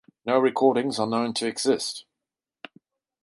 No recordings are known to exist.